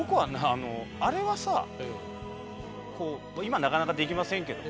あのあれはさこう今なかなかできませんけれど